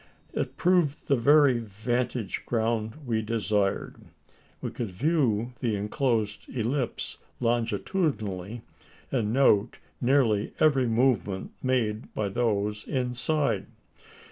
It proved the very vantage ground we desired. We could view the enclosed ellipse longitudinally, and note nearly every movement made by those inside.